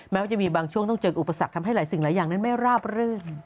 แม้ว่าจะมีบางช่วงต้องเจออุปสรรคทำให้หลายสิ่งหลายอย่างนั้นไม่ราบรื่น